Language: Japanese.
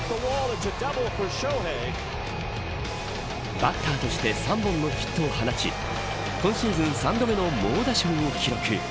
バッターとして３本のヒットを放ち今シーズン３度目の猛打賞を記録。